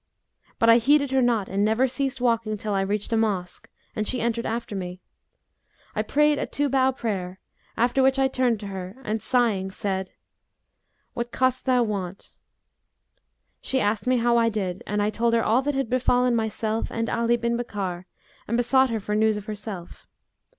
But I heeded her not and never ceased walking till I reached a mosque, and she entered after me. I prayed a two bow prayer, after which I turned to her and, sighing, said, 'What cost thou want?' She asked me how I did, and I told her all that had befallen myself and Ali bin Bakkar and besought her for news of herself.